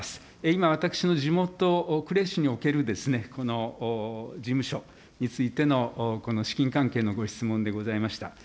今、私の地元、呉市におけるこの事務所についてのこの資金関係のご質問でございました。